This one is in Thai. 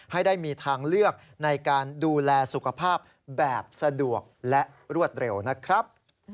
ให้ได้มีทางเลือกในการดูแลสุขภาพแบบสะดวกและรวดเร็วนะครับ